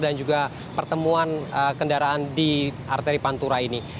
dan juga pertemuan kendaraan di arteri pantura ini